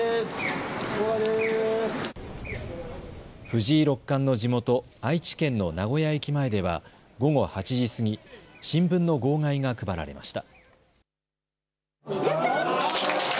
藤井六冠の地元、愛知県の名古屋駅前では午後８時過ぎ、新聞の号外が配られました。